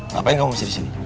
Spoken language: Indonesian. ngapain kamu masih disini